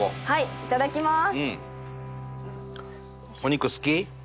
いただきます。